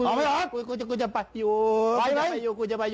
อย่างมึงคุยดีไม่ได้